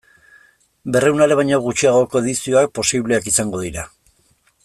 Berrehun ale baino gutxiagoko edizioak posibleak izango dira.